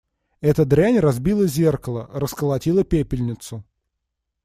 Эта дрянь разбила зеркало, расколотила пепельницу.